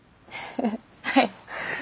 はい。